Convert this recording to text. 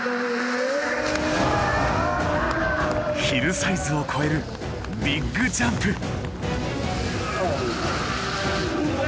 ヒルサイズを超えるビッグジャンプ！